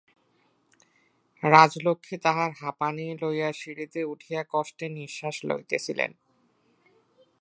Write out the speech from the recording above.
রাজলক্ষ্মী তাঁহার হাঁপানি লইয়া সিঁড়িতে উঠিয়া কষ্টে নিশ্বাস লইতেছিলেন।